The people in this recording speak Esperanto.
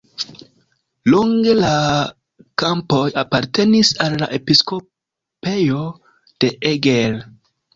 Longe la kampoj apartenis al episkopejo de Eger.